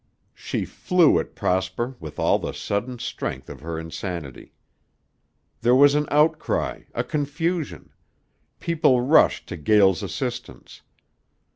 She flew at Prosper with all the sudden strength of her insanity. There was an outcry, a confusion. People rushed to Gael's assistance.